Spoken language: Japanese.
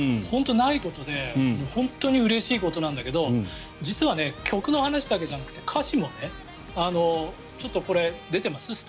本当にないことで本当にうれしいことなんだけど実は、曲の話だけじゃなくて歌詞もねちょっと、これ出てます？